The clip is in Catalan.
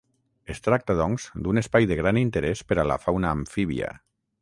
Es tracta, doncs, d'un espai de gran interès per a la fauna amfíbia.